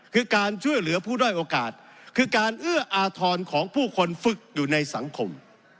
คือการช่วยเหลือผู้ด้อยโอกาสคือการเอื้ออาทรของผู้คนฝึกอยู่ในสังคม